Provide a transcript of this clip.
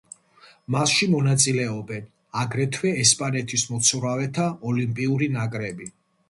მასში მონაწილეობენ, აგრეთვე, ესპანეთის მოცურავეთა ოლიმპიური ნაკრები.